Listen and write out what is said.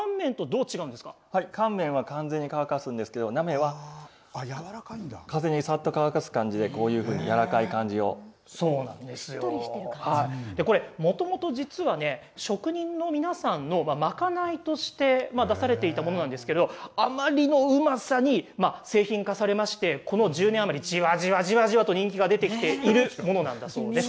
乾麺は完全に乾かすんですけど生は風に触って乾かす感じでこういうふうにやわらかい感じをこれ、もともと実は職人の皆さんのまかないとして出されていたものなんですけどあまりのうまさに製品化されましてこの１０年余りじわじわじわと人気が出てきているものなんです。